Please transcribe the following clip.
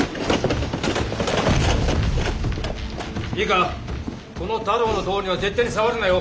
いいかこの太郎の塔には絶対に触るなよ。